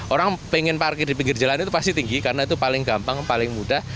orang pengen parkir di pinggir jalan itu pasti tinggi karena itu paling gampang paling mudah